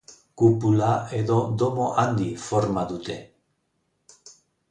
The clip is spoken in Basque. Kupula edo domo handi forma dute.